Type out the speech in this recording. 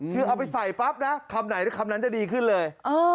คือเอาไปใส่ปั๊บนะคำไหนคำนั้นจะดีขึ้นเลย